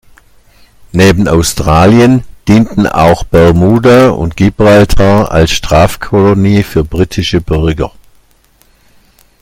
Neben Australien dienten auch Bermuda und Gibraltar als Strafkolonie für Britische Bürger.